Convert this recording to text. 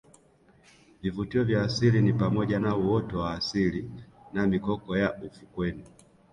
Vivutio vya asili ni pamoja na uoto wa asili na mikoko ya ufukweni